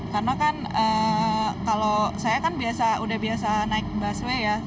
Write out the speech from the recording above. karena kan kalau saya kan biasa udah biasa naik busway ya